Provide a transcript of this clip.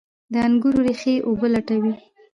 د انګورو ریښې اوبه لټوي.